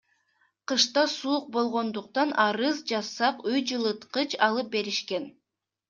Кышта суук болгондуктан, арыз жазсак, үй жылыткыч алып беришкен.